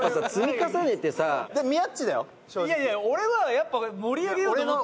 「いやいや俺はやっぱ盛り上げようと思って」